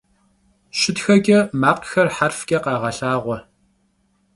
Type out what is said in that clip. Şıtxeç'e makhxer herfç'e khağelhağue.